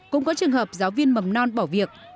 cũng có trường hợp giáo viên mầm non bỏ việc